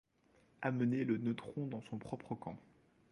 Amener le neutron dans son propre camp.